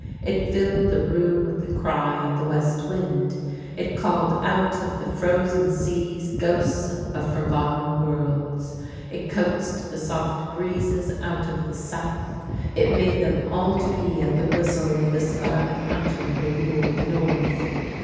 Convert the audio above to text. It filled the room with the cry of the west v/ind ; it called out of the frozen seas ghosts of forgotten worlds ; it coaxed the soft breezes out of the South ; it made them all to be at the whistle of the Scarlet Hunter who ruled the North.